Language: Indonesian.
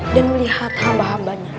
dan melihat hamba hambanya